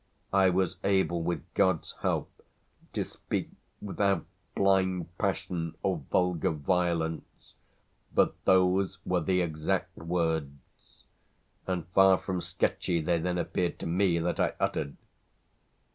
I was able, with God's help, to speak without blind passion or vulgar violence; but those were the exact words and far from "sketchy" they then appeared to me that I uttered.